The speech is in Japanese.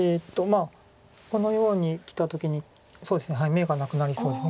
このようにきた時に眼がなくなりそうです。